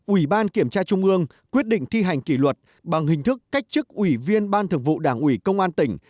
ủy ban kiểm tra trung ương quyết định thi hành kỷ luật bằng hình thức cách chức ủy viên ban thường vụ đảng ủy công an tỉnh